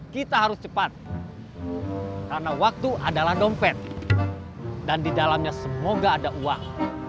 kita harus cepat karena waktu adalah dompet dan di dalamnya semoga ada uang